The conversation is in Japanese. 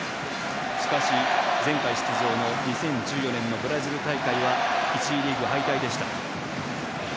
しかし、前回出場の２０１４年のブラジル大会は１次リーグ敗退でした。